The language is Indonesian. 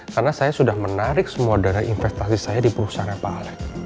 karena saya sudah menarik semua dana investasi saya di perusahaan pak alex